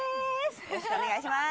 よろしくお願いします。